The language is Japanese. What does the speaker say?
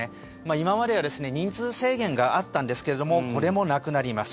今までは人数制限があったんですけれどもこれもなくなります。